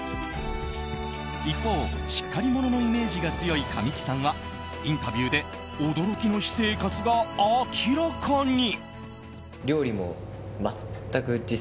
一方、しっかり者のイメージが強い神木さんはインタビューで驚きの私生活が明らかに。